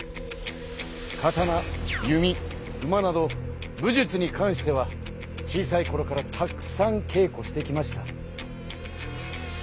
刀弓馬など武術に関しては小さいころからたくさん稽古してきました。